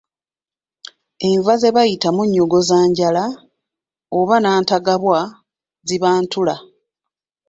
Enva ze bayita munnyogozanjala oba Nantagabwa ziba ntula.